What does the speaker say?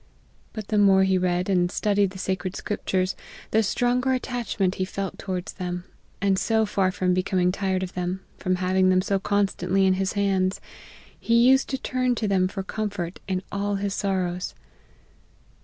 But the more he read and studied the sacred scrip tures, the stronger attachment he felt towards them, and so far from becoming tired of them, from hav ing them so constantly in his hands, he used to turn to them for comfort in all his sorrows.